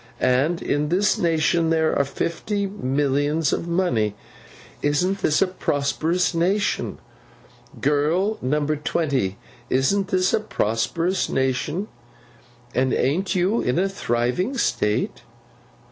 And in this nation, there are fifty millions of money. Isn't this a prosperous nation? Girl number twenty, isn't this a prosperous nation, and a'n't you in a thriving state?